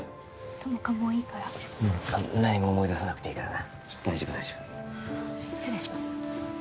友果もういいから何も思い出さなくていいからな大丈夫大丈夫失礼します